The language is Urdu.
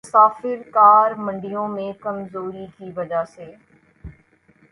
مسافر کار منڈیوں میں کمزوری کی وجہ سے